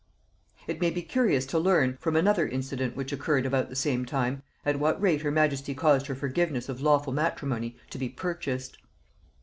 It may be curious to learn, from another incident which occurred about the same time, at what rate her majesty caused her forgiveness of lawful matrimony to be purchased.